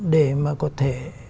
để mà có thể